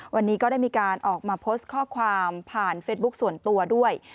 วันนี้ก็ได้มีการออกมาโพสต์ข้อความผ่านเฟซบุ๊คส่วนตัวด้วย